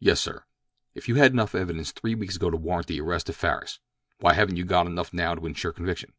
"Yes, sir." "If you had enough evidence three weeks ago to warrant the arrest of Farris, why haven't you got enough now to insure conviction?"